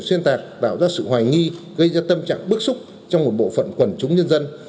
xuyên tạc tạo ra sự hoài nghi gây ra tâm trạng bức xúc trong một bộ phận quần chúng nhân dân